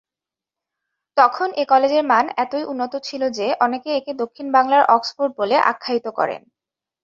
তখন এ কলেজের মান এতই উন্নত ছিল যে অনেকে একে দক্ষিণ বাংলার অক্সফোর্ড বলে আখ্যায়িত করেন।